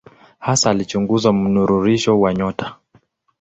Hasa alichunguza mnururisho wa nyota.